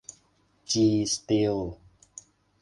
จี สตีล